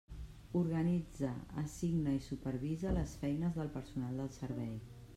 Organitza, assigna i supervisa les feines del personal del Servei.